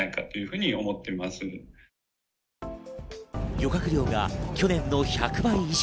漁獲量が去年の１００倍以上。